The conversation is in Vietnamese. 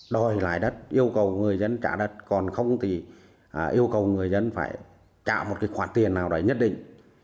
đòi lại đất yêu cầu người dân trả đất còn không thì yêu cầu người dân phải trả một cái khoản tiền nào đó nhất định